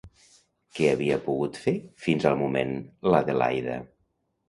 Què havia pogut fer fins al moment, l'Adelaida?